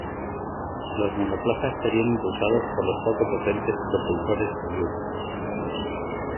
Los monoplazas serían impulsados por los poco potentes propulsores Judd.